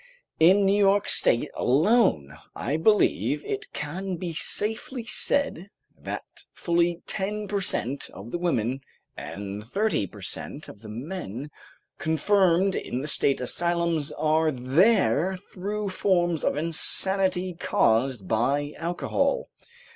In New York State alone I believe it can be safely said that fully ten per cent. of the women and thirty per cent. of the men confined in the state asylums are there through forms of insanity caused by alcohol.